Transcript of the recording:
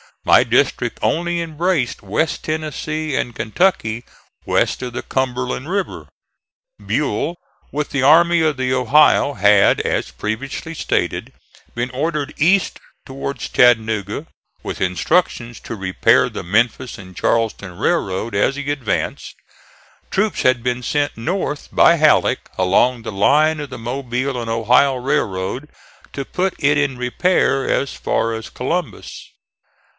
My district only embraced West Tennessee and Kentucky west of the Cumberland River. Buell, with the Army of the Ohio, had, as previously stated, been ordered east towards Chattanooga, with instructions to repair the Memphis and Charleston railroad as he advanced. Troops had been sent north by Halleck along the line of the Mobile and Ohio railroad to put it in repair as far as Columbus.